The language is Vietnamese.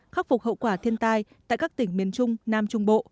khắc phục hậu quả thiên tai tại các tỉnh miền trung nam trung bộ